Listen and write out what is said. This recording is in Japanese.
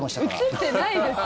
映ってないです！